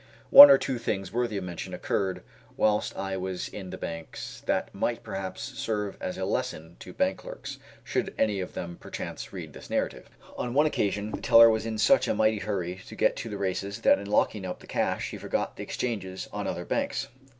One or two things worthy of mention occurred whilst I was in the banks that might perhaps serve as a lesson to bank clerks, should any of them perchance read this narrative. On one occasion the teller was in such a mighty hurry to get to the races that in locking up the cash he forgot the exchanges on other banks.